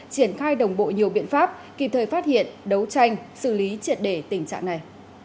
triển khai đồng bộ nhiều biện pháp kịp thời phát hiện đấu tranh xử lý triệt để tình trạng này